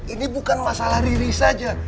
ini bukan masalah riris saja